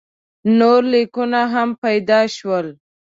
نور لیکونه هم پیدا شول.